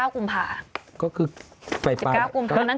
๑๙กุมภาคก็คือ๑๙กุมภาค